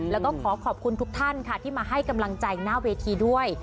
แล้วก็ขอขอบคุณทุกท่านค่ะที่มาให้กำลังใจหน้าเวทีด้วย